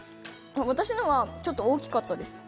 私のはちょっと大きかったです。